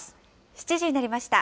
７時になりました。